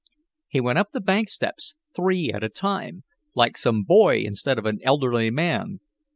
He went up the bank steps three at a time, like some boy instead of an elderly man.